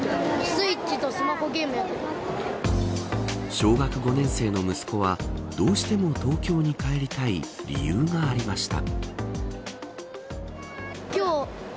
小学５年生の息子はどうしても東京に帰りたい理由がありました。